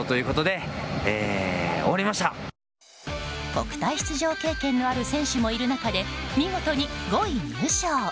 国体出場経験のある選手もいる中で見事に５位入賞。